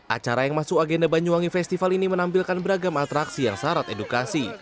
acara yang masuk agenda banyuwangi festival ini menampilkan beragam atraksi yang syarat edukasi